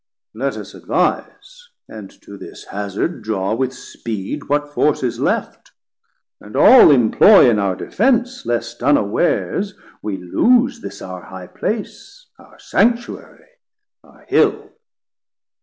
Let us advise, and to this hazard draw With speed what force is left, and all imploy In our defence, lest unawares we lose This our high place, our Sanctuarie, our Hill.